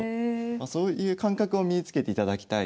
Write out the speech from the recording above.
そういう感覚を身につけていただきたい。